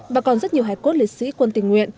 và còn rất nhiều hài cốt liệt sĩ quân tình nguyện